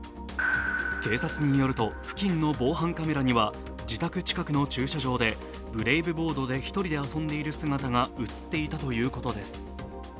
警察によると、付近の防犯カメラには自宅近くの駐車場でブレイブボードで１人で遊んでいる姿が映っていたということです。